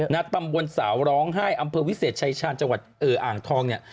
ตำบลสาวร้องไห้อำเภอวิเศษชายชาญจังหวัดอ่างทองเนี่ย